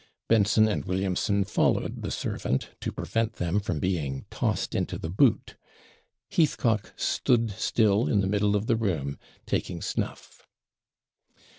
Benson and Williamson followed the servant, to prevent them from being tossed into the boot. Heathcock stood still in the middle of the room taking snuff.